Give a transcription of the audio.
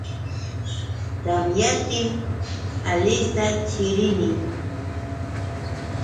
Tamyaptin Alista chirinmi